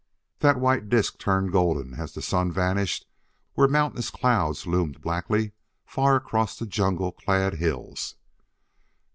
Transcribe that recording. That white disk turned golden as the sun vanished where mountainous clouds loomed blackly far across the jungle clad hills.